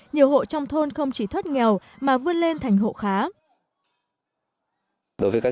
nhiều hộ trong thôn không chỉ thoát nghèo mà vươn lên thành hộ khá